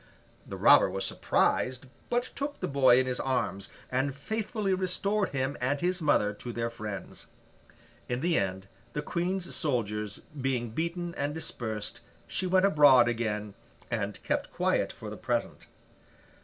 The robber was surprised, but took the boy in his arms, and faithfully restored him and his mother to their friends. In the end, the Queen's soldiers being beaten and dispersed, she went abroad again, and kept quiet for the present.